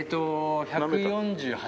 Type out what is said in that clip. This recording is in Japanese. １４８